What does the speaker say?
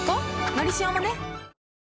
「のりしお」もね